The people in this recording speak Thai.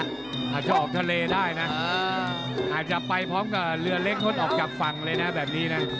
อาจจะออกทะเลได้นะอาจจะไปพร้อมกับเรือเล็กงดออกจากฝั่งเลยนะแบบนี้นะ